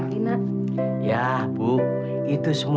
dan ada itu ada itu bisa